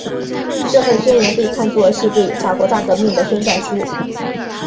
这份宣言被看作是对法国大革命的宣战书。